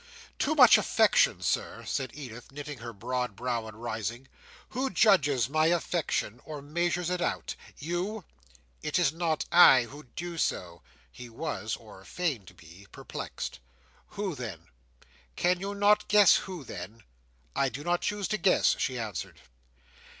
"Too much affection, Sir!" said Edith, knitting her broad brow and rising. "Who judges my affection, or measures it out? You?" "It is not I who do so." He was, or feigned to be, perplexed. "Who then?" "Can you not guess who then?" "I do not choose to guess," she answered.